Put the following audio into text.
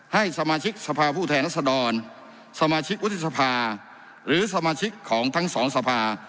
ให้สมาชิกสภาพผู้แทนรัศดรสมาชิกวุฒิสภาหรือสมาชิกของทั้งสองสภา